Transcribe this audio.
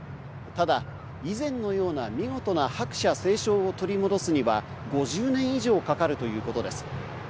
ただ、以前のような見事な白砂青松を取り戻すには５０年以上かかるということです。